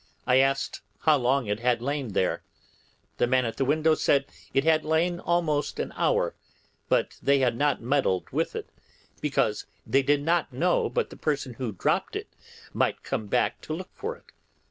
I asked how long it had lain there; the man at the window said it had lain almost an hour, but that they had not meddled with it, because they did not know but the person who dropped it might come back to look for it.